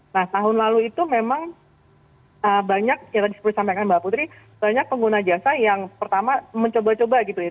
nah tahun lalu itu memang banyak yang tadi seperti sampaikan mbak putri banyak pengguna jasa yang pertama mencoba coba gitu ya